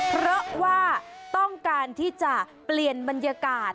เพราะว่าต้องการที่จะเปลี่ยนบรรยากาศ